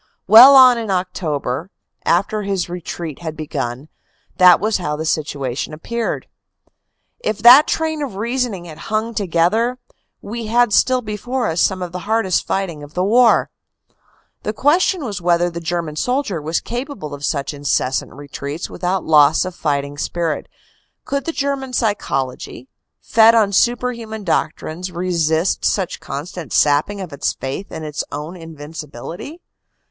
Well on in October, after his retreat had begun, that was how the situation appeared. If that train of reasoning had hung together, we had still before us some of the hardest fight ing of the war. The question was whether the German soldier was capable of such incessant retreats without loss of fighting spirit could the German psychology, fed on superman doc trines, resist such constant sapping of its faith in its own in vincibility?